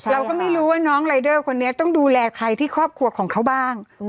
เราก็ไม่รู้ว่าน้องรายเดอร์คนนี้ต้องดูแลใครที่ครอบครัวของเขาบ้าง